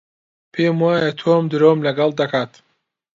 پێم وایە تۆم درۆم لەگەڵ دەکات.